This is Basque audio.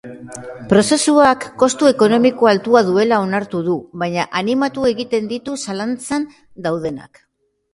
Prozesuak kostu ekonomiko altua duela onartu du baina animatu egiten ditu zalantzan daudenak.